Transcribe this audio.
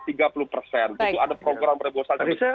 itu ada program perbosannya